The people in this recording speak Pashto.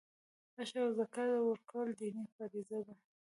عشر او زکات ورکول دیني فریضه ده.